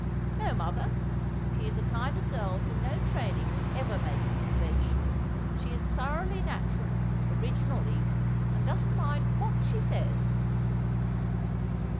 ' No, mother, she is a kind of girl whom no training would ever make conventional. She is thoroughly natural, original even, and doesn't mind what she says.'